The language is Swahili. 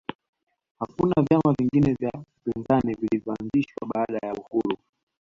hakuna vyama vingine vya upinzani vilivyoanzishwa baada ya uhuru